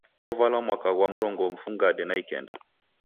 Kovalwa mwaka ghwa mrongo mfungade na ikenda.